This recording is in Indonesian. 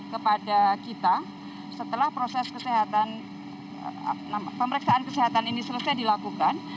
kepada kita setelah proses pemeriksaan kesehatan ini selesai dilakukan